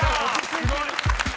すごい。